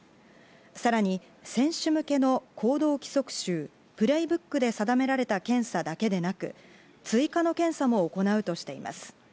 さらに選手向けの行動規則集プレイブックで定められた検査だけでなく、追加の検査も行うとしています。